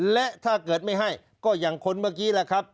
และถ้าเกิดไม่ให้ก็อย่างคนเมื่อกี้แหละครับ